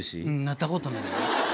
なったことない。